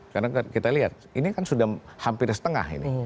karena kita lihat ini kan sudah hampir setengah ini